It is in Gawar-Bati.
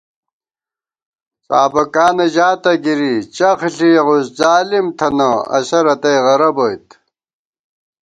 څابَکانہ ژاتہ گِری، چخ ݪِیَوُس ظالِم تھنہ، اسہ رتئ غرہ بوئیت